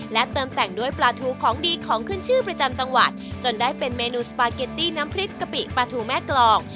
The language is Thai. เติมแต่งด้วยปลาทูของดีของขึ้นชื่อประจำจังหวัดจนได้เป็นเมนูสปาเกตตี้น้ำพริกกะปิปลาทูแม่กรอง